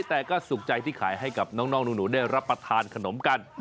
แต่ก็สุขใจที่ขายให้กับน้องหนูได้รับประทานขนมกัน